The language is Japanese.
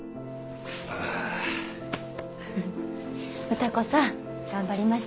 歌子さん頑張りましたね。